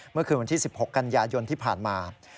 เมื่อคืนวันที่๑๖กันยายนที่ผ่านมา